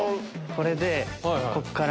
これでこっから。